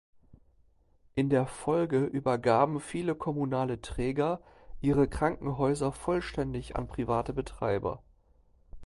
In der Folge übergaben viele kommunale Träger ihre Krankenhäuser vollständig an private Betreiber.